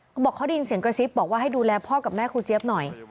เขาบอกเขาได้ยินเสียงกระซิบบอกว่าให้ดูแลพ่อกับแม่ครูเจี๊ยบหน่อย